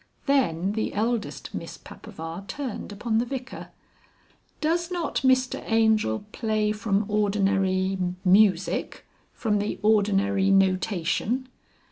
Then the eldest Miss Papaver turned upon the Vicar. "Does not Mr Angel play from ordinary.... Music from the ordinary notation?"